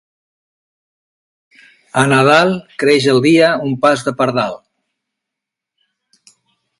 A Nadal creix el dia un pas de pardal.